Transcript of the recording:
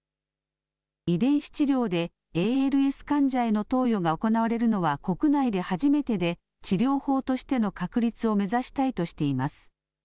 遺伝子治療でＡＬＳ患者への投与が行われるのは国内で初めてで、治療法としての確立を目指したいとしています。